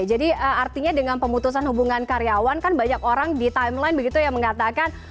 jadi artinya dengan pemutusan hubungan karyawan kan banyak orang di timeline begitu ya mengatakan